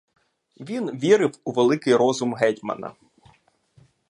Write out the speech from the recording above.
Він вірив у великий розум гетьмана.